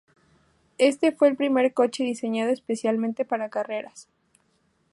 Este fue el primer coche diseñado especialmente para carreras.